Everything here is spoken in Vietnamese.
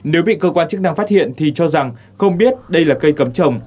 nếu bị cơ quan chức năng phát hiện thì cho rằng không biết đây là cây cấm trồng